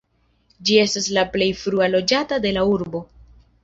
Ĝi estas la plej frua loĝata de la urbo.